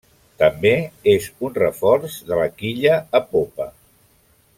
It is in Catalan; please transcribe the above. També, és un reforç de la quilla a popa.